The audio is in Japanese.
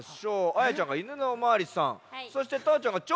あやちゃんが「犬のおまわりさん」そしてたーちゃんが「ちょうちょ」。